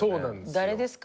誰ですか？